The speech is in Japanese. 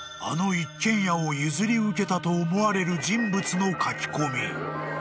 ［あの一軒家を譲り受けたと思われる人物の書き込み］